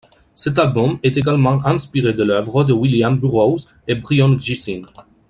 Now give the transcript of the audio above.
Cet album est également inspiré de l'œuvre de William Burroughs et Brion Gysin.